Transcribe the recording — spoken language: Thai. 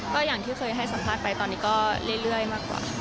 ก็อย่างที่เคยให้สัมภาษณ์ไปตอนนี้ก็เรื่อยมากกว่าค่ะ